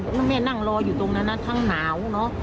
แล้วแม่นั่งรออยู่ตรงนั้นนะทั้งหนาวเนอะ